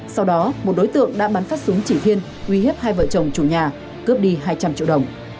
sau đó một đối tượng đã bắn phát súng chỉ viên uy hiếp hai vợ chồng chủ nhà cướp đi hai trăm linh triệu đồng